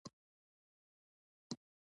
لاخوریږی نیمو شپو کی، دتوفان غاوری چیغی